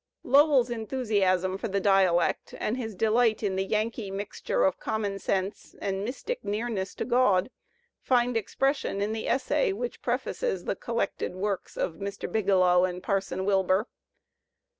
Lowell's enthusiasm for the dialect and his delight in the Yankee mixture of common "^ sense and mystic nearness to God find expression in the essay which prefaces the collected works of Mr. Biglow and Parson >y Wilbur.